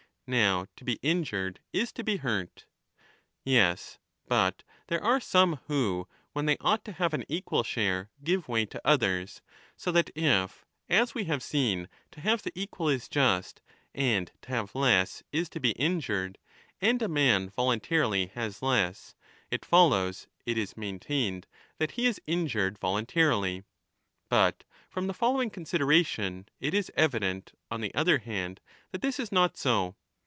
Now to be injured is to be hurt. 10 Yes, but there are some who, when they ought to have an equal share, give way to others, so that if, as we have 32 38: cf. £'.A^ 1113^30 1114^3. b5 34 = £'.A'. 1I36'*I5 ''I4. BOOK I. 33 ii95» seen/ to have the equal is just, and to have less is to be injured, and a man voluntarily has less, it follows, it is maintained, that he is injured voluntarily. But from the following consideration it is evident, on the other hand, that this is not so.